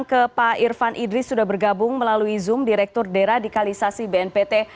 saya sekarang ke pak irvan idris sudah bergabung melalui zoom direktur deradikalisasi bnpt